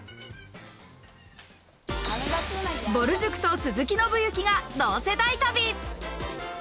ぼる塾と鈴木伸之が同世代旅。